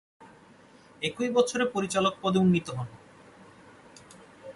একই বছরে পরিচালক পদে উন্নীত হন।